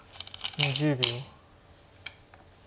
２０秒。